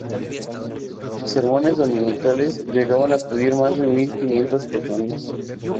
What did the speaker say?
En sus sermones dominicales, llegaban a acudir más de mil quinientas personas.